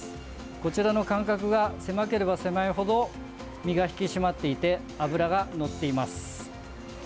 こちらの間隔が狭ければ狭いほど身が引き締まっていて脂がのっています。